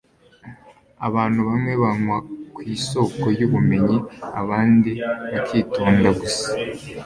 abantu bamwe banywa ku isoko y'ubumenyi, abandi bakitonda gusa